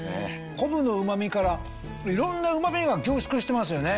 昆布のうま味からいろんなうま味が凝縮してますよね。